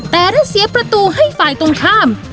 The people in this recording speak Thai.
แต่ได้เสียประตูให้ฝ่ายตรงข้าม